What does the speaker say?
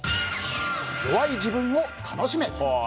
弱い自分を楽しめ。